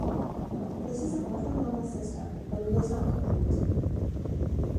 This is an orthonormal system but it is not complete.